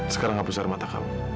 sekarang ngapus air mata kamu